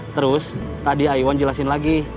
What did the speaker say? terus tadi iwan jelasin lagi